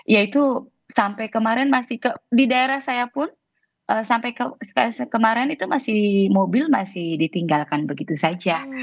yaitu sampai kemarin masih di daerah saya pun sampai kemarin itu masih mobil masih ditinggalkan begitu saja